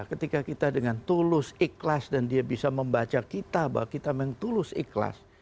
ketika kita dengan tulus ikhlas dan dia bisa membaca kita bahwa kita memang tulus ikhlas